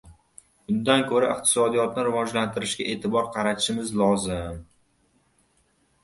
Undan ko‘ra iqtisodiyotni rivojlantirishga e’tibor qaratishimiz lozim.